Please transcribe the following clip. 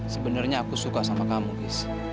sebenernya aku suka sama kamu gis